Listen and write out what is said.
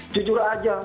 bapak kamu bisa berhenti